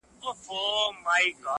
خوله یې ډکه له دعاوو سوه ګویان سو!